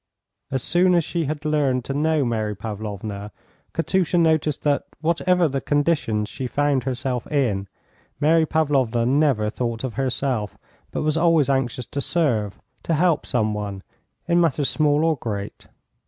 As soon as she had learned to know Mary Pavlovna, Katusha noticed that, whatever the conditions she found herself in, Mary Pavlovna never thought of herself, but was always anxious to serve, to help some one, in matters small or great.